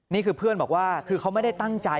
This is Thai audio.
นี่คือเพื่อนบอกว่าคือเขาไม่ได้ตั้งใจ